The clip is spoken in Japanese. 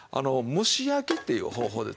蒸し焼きっていう方法でね